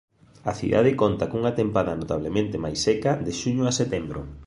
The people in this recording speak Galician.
A cidade conta cunha tempada notablemente máis seca de xuño a setembro.